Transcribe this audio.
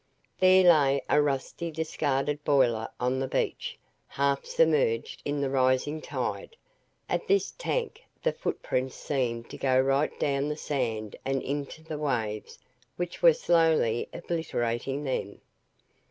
There lay a rusty, discarded boiler on the beach, half submerged in the rising tide. At this tank the footprints seemed to go right down the sand and into the waves which were slowly obliterating them.